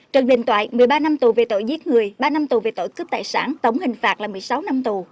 trần đình toại một mươi ba năm tù về tội giết người ba năm tù về tội cướp tài sản tổng hình phạt là một mươi sáu năm tù